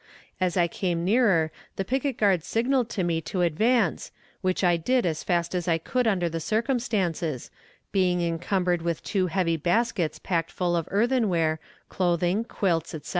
As I came nearer the picket guard signaled to me to advance, which I did as fast as I could under the circumstances, being encumbered with two heavy baskets packed full of earthenware, clothing, quilts, etc.